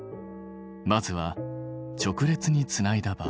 まずは直列につないだ場合。